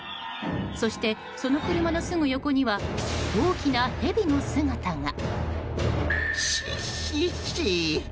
そして、その車のすぐ横には大きなヘビの姿が。